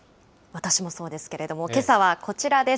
私もそうですけれども、けさはこちらです。